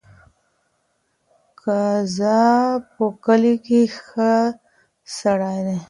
هغه ز په کلي کې ښه سړی دی.